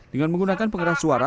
dengan menggunakan penggeras suara